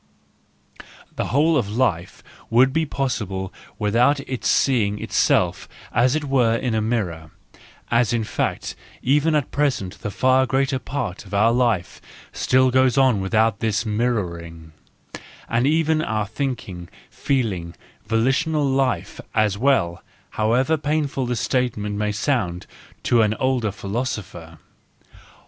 The whole of life would be possible without its seeing itself as it were in a mirror: as in fact even at present the far greater part of our life still goes on without this mirroring,—and even our thinking, feeling, volitional life as well, how¬ ever painful this statement may sound to an older philosopher.